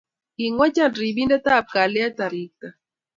Kingwecha ripindetap kalyet arikta